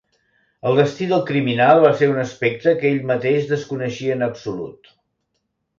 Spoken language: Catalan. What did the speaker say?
El destí del criminal va ser un aspecte que ell mateix desconeixia en absolut.